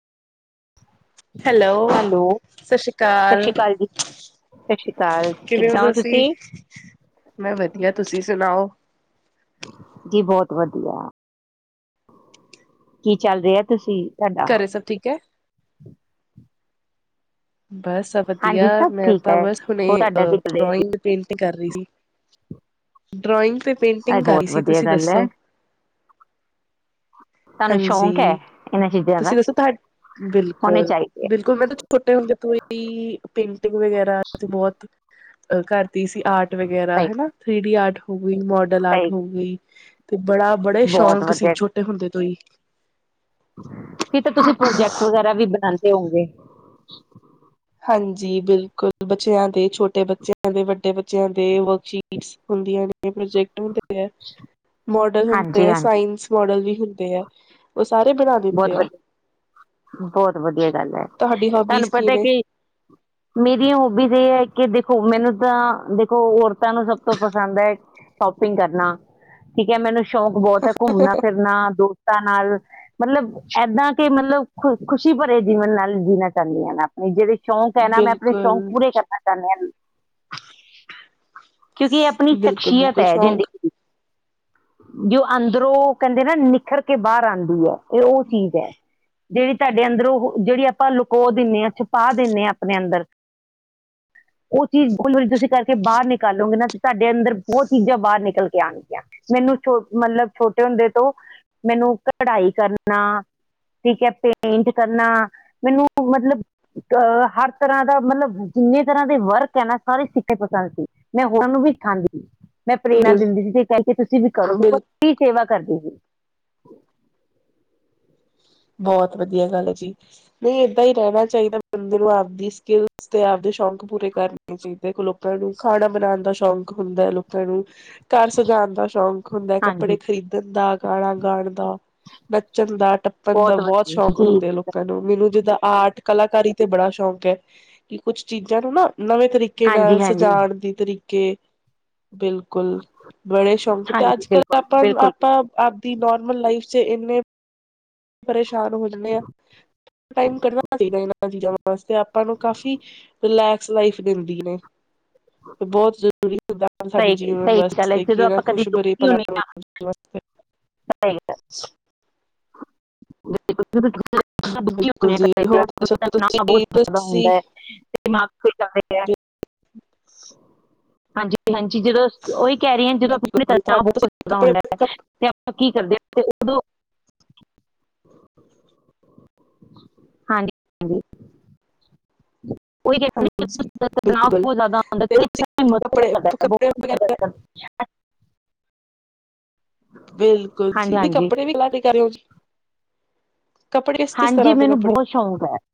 Hello, ਸ਼੍ਰੀ ਅਕਾਲ ਸ਼ਸ਼ੀ ਕਾਲ ਜੀ। ਸ਼ਸ਼ੀ ਕਾਲ, ਕਿਵੇਂ ਕਿੱਦਾਂ ਹੋ ਤੁਸੀਂ ਤੁਸੀ? ਮੈਂ ਵਦੀਆ, ਤੁਸੀ ਸੁਨਾਓ। ਜੀ ਬੋਤ ਵਦੀਆ। ਕੀ ਚੱਲ ਰਿਹਾ, ਤੁਸੀ? ਕੱਰੇ ਸਬ ਠੀਕ ਹੈ? ਬਸ ਸਭ ਹਾਂਜੀ ਵਦੀਆ, ਸਭ ਮੈਂ ਠੀਕ ਤਾਂ ਹੈ, ਬਸ ਹੁਨੇ ਹੋਰ ਤੁਹਾਡਾ ਅ ਕੀ ਚੱਲ ਰਿਹਾ ਜੀ? ਡ੍ਰੋਇੰਗ ਪੇਂਟਿੰਗ ਕਰ ਰਹੀ ਸੀ, ਡਰੋਇੰਗ ਤੇ। ਇਹ ਪੇਂਟਿੰਗ ਕੱਰ ਰਹੀ ਬਹੁਤ ਸੀ, ਵਧੀਆ ਤੁਸੀ ਗੱਲ ਦੱਸੋ। ਹੈ, ਤੁਹਾਨੂੰ ਸ਼ੌਂਕ ਹੈ ਹਾਂਜੀ, ਇਹਨਾਂ ਚੀਜ਼ਾਂ ਦਾ, ਤੁਸੀ ਦੱਸੋ ਤੁਹਾ ਹੋਣੇ ਬਿਲਕੁਲ, ਚਾਹੀਦੇ ਆ, ਬਿਲਕੁਲ ਮੈਂ ਤੋ ਛੋਟੇ ਹੁੰਦੇ ਤੋਂ ਈ ਪੇਂਟਿੰਗ ਵਗੈਰਾ ਅਸੀ ਬੋਤ ਕਰਦੀ ਸੀ ਆਰਟ ਵਗੈਰਾ ਸਹੀ ਹੈਨਾ, ਥ੍ਰੀ ਡੀ ਆਰਟ ਹੋ ਗਈ, ਮੋਡਲ ਆਰਟ ਸਹੀ ਹੋ ਗਈ। ਤੇ ਬੜਾ ਬੜੇ ਬਹੁਤ ਸ਼ੌਂਕ ਸੀ ਵਧੀਆ, ਛੋਟੇ ਹੁੰਦੇ ਤੋਂ ਈ। ਕੀ ਤਾਂ ਤੁਸੀਂ ਪ੍ਰੋਜੈਕਟ ਵਗੈਰਾ ਵੀ ਬਣਾਦੇ ਹੋਓਗੇ। ਹਾਂਜੀ ਬਿਲਕੁਲ ਬੱਚਿਆਂ ਦੇ, ਛੋਟੇ ਬੱਚਿਆਂ ਦੇ, ਵੱਡੇ ਬੱਚਿਆਂ ਦੇ, ਵਰਕਸ਼ੀਟ ਹੁੰਦੀਆਂ ਨੇ ਪ੍ਰੋਜੈਕਟ ਹੁਣ ਤੇ ਹੁੰਦੇ ਐ, ਮਾਡਲ ਹੁੰਦੇ ਹਾਂਜੀ ਐ, ਹਾਂਜੀ, ਸਾਇੰਸ ਮਾਡਲ ਵੀ ਹੁੰਦੇ ਐ। ਓਹ ਸਾਰੇ ਬਣਾ ਬਹੁਤ ਦਿੰਦੇ ਆ। ਵਧੀਆ, ਬਹੁਤ ਵਧੀਆ ਗੱਲ ਹੈ। ਤੁਹਾਡੀ ਹੋਬੀਜ਼ ਤੁਹਾਨੂੰ ਕੀ ਪਤਾ ਨੇ? ਕਿ ਹ [inaudible] ਮੇਰੀਆਂ ਹੋਬੀਜ਼ ਏਹ ਐ ਕਿ ਦੇਖੋ ਮੈਨੂੰ ਤਾਂ ਦੇਖੋ ਔਰਤਾਂ ਨੂੰ ਸਭ ਤੋਂ ਪਸੰਦ ਐ। ਸ਼ੋਪਿੰਗ ਕਰਨਾ, ਠੀਕ ਐ ਮੈਨੂੰ ਸ਼ੌਕ ਬਹੁਤ ਐ, ਘੁੰਮਣਾ ਫਿਰਨਾ ਦੋਸਤਾਂ ਨਾਲ ਮਤਲਬ ਏਦਾਂ ਕਿ ਮਤਲਬ ਖੁ ਖੁਸ਼ੀ ਭਰੇ ਜੀਵਨ ਨਾਲ ਜੀਣਾ ਚਾਦੀਆਂ ਨਾ ਆਪਣੀ ਜਿੜੇ ਸ਼ੌਂਕ ਏ ਨਾ ਮੈਂ ਆਪਣੇ ਸ਼ੌਂਕ ਬਿਲਕੁਲ ਪੂਰੇ ਕਰਨਾ ਚਾਣੇ ਆ। ਕਿਉਂਕਿ ਏ ਆਪਣੀ ਬਿਲਕੁਲ ਸ਼ਖਸੀਅਤ ਬਿਲਕੁਲ ਐ ਸ਼ੌਕ ਜ਼ਿੰਦਗੀ ਦੀ ਜੋ ਅੰਦਰੋਂ ਕੇਂਦੇ ਨਾ ਨਿਖਰ ਕੇ ਬਾਰ ਆਂਦੀ ਏ, ਏਹ ਓ ਚੀਜ਼ ਐ। ਜੇੜੀ ਤਾਡੇ ਅੰਦਰੋ ਉਹ ਜੇੜੀ ਆਪਾਂ ਲੁਕੋ ਦਿੰਦੇ ਆ, ਛੁਪਾ ਦਿੰਦੇ ਆ, ਆਪਣੇ ਅੰਦਰ [inaudible] ਉਹ ਚੀਜ਼ ਖੁਲਕੇ ਤੁਸੀਂ ਕਰਕੇ ਬਾਰ ਨਿਕਾਲੋਗੇ ਨਾ ਤਾਡੇ ਅੰਦਰ ਬੋਤ ਚੀਜ਼ਾਂ ਬਾਰ ਨਿਕਲ ਕੇ ਆਣਗੀਆਂ। ਮੈਨੂੰ ਛੋ ਮਤਲਬ ਛੋਟੇ ਹੁੰਦੇ ਤੋਂ ਮੈਨੂੰ ਕਢਾਈ ਕਰਨਾ ਠੀਕ ਐ, ਪੇਂਟ ਕਰਨਾ ਮੈਨੂੰ ਮਤਲਬ ਅ ਹਰ ਤਰ੍ਹਾਂ ਦਾ ਮਤਲਬ ਜਿੰਨੇ ਤਰ੍ਹਾਂ ਦੇ ਵਰਕ ਏ ਨਾ ਸਾਰੇ ਸਿੱਖੇ ਪਸੰਦ ਸੀ। ਮੈਂ ਹੋਰਾ ਨੂ ਵੀ ਸਿਖਾਦੀ ਆ। ਮੈਂ ਪ੍ਰੇਰਨਾ ਬਿਲ ਦਿੰਦੀ ਸੀ ਤੇ ਕੇਦੀ ਤੁਸੀਂ ਵੀ ਕਰੋ ਬਿਲ ਬੋਤ ਹੀ ਸੇਵਾ ਕਰਦੀ ਸੀ। ਬੋਤ ਵਧੀਆ ਗੱਲ ਏ ਜੀ। ਨਈ ਏਦਾਂ ਹੀ ਰੇਂਣਾ ਚਾਹੀਦਾ ਬੰਦੇ ਨੂੰ ਆਪਦੀ ਸਕਿੱਲ ਤੇ ਆਪਦੇ ਸ਼ੌਂਕ ਪੂਰੇ ਕਰਨ ਚਹੀ ਦੇਖੋ ਲੋਕਾਂ ਨੂੰ ਖਾਣਾ ਬਣਾਣ ਦਾ ਸ਼ੌਕ ਹੁੰਦਾ ਐ ਲੋਕਾਂ ਨੂੰ ਕਾਰ ਸਜਾਣ ਦਾ ਸ਼ੌਕ ਹੁੰਦਾ ਐ, ਕੱਪੜੇ ਹਾਂਜੀ ਖਰੀਦਣ ਦਾ, ਗਾਣਾ ਗਾਣ ਦਾ, ਨੱਚਣ ਦਾ ਬੰਦਾ ਬਹੁਤ ਬੋਤ ਵਧੀਆ ਸ਼ੌਂਕ ਜੀ ਹੁੰਦੇ ਆ ਲੋਕ ਲੋਕਾਂ ਨੂੰ, ਮੈਨੂੰ ਜਿੱਦਾਂ ਆਰਟ ਕਲਾਕਾਰੀ ਤੇ ਬੜਾ ਸ਼ੌਕ ਐ ਕਿ ਕੁੱਛ ਚੀਜ਼ਾਂ ਨੂੰ ਨਾ ਨਵੇਂ ਤਰੀਕੇ ਨਾਲ ਹਾਂਜੀ ਹਾਂਜੀ ਸਜਾਣ ਦੀ ਤਰੀਕੇ। ਬਿਲਕੁਲ ਬੜੇ ਸ਼ੌਂਕ ਤੇ ਹਾਂਜੀ ਅੱਜ ਕੱਲ ਬਿਲਕੁਲ ਆਪਾਂ ਨੂੰ ਬਿਲਕੁਲ ਆਪਾਂ ਬਿਲਕੁਲ। ਆਪ ਦੀ ਨੋਰਮਲ ਲਾਈਫ ਚ ਏਨੇ ਪਰੇਸ਼ਾਨ ਹੋ ਜਾਂਦੇ ਆ, ਟਾਈਮ ਕੱਢਣਾ ਚਾਹੀਦਾ ਏਨਾਂ ਚੀਜ਼ਾਂ ਨੂੰ ਵਾਸਤੇ ਆਪਾਂ ਨੂੰ ਕਾਫ਼ੀ ਰਿਲੈਕਸ ਲਾਈਫ ਦਿੰਦੀ ਨੇ ਤੇ ਬੋਤ ਜਰੂ ਪੂਰੀ ਹਨ ਸਾਡੇ ਸਹੀ ਜੀਵਨ ਸਹੀ ਵਾਸਤੇ ਕਿ ਏਨਾਂ ਖੁਸ਼ਬਰੀ ਭਲਾ ਸਹੀ ਗੱਲ ਬਿਲਕੁਲ ਜੀ ਹੋਰ ਦੱਸੋ [unintelligible] ਬੋਤ ਤੁਸੀਂ ਜਾਦਾ ਤੁਸੀਂ ਹੁੰਦਾ ਏ। ਦਿਮਾਗ ਤੋਂ [unintelligible] ਹਾਂਜੀ ਹਾਂਜੀ ਜਦੋਂ ਓਹੀ ਕੇਹ ਰਹੀ ਆ, ਜਦੋਂ ਬਿਲਕੁਲ ਤੁਹਾਡੇ ਤੁਸੀਂ [unintelligible] ਕੱਪੜੇ ਹੁੰਦਾ ਏ ਹਾਂ, ਤੇ ਆਪਾਂ ਕੀ ਕਰਦੇ ਆ ਤੇ ਓਦੋਂ ਹਾਂਜੀ ਹਾਂਜੀ ਉਹੀ ਕਹਿੰਦੇ ਕਿ ਜਦੋਂ ਤਣਾਅ ਬਹੁਤ ਜ਼ਿਆਦਾ ਹੁੰਦਾ ਤੇ ਇੱਥੇ ਮਦਦ ਕਰਦਾ ਹੈ ਬਹੁਤ ਮਦਦ ਕਰਦਾ [inaudible] ਬਿਲਕੁਲ ਹਾਂਜੀ ਜੀ ਤੇ ਹਾਂਜੀ ਕੱਪੜੇ ਵੀ ਲਗ ਕਰਿਓ ਜੀ। ਕੱਪੜੇ ਕਿਸ ਕਿਸ ਹਾਂਜੀ, ਤਰ੍ਹਾਂ ਦੇ ਮੈਨੂੰ ਕੱਪੜੇ ਬੋਤ ਸ਼ੌਕ ਏ।